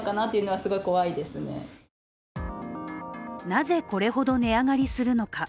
なぜこれほど値上がりするのか。